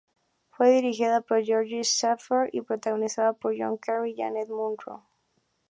Fue dirigida por George Schaefer y protagonizada por John Kerr y Janet Munro.